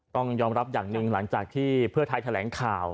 ต้องยอมรับอย่างหนึ่งหลังจากที่เพื่อไทยแถลงข่าว